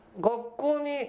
『学校』に。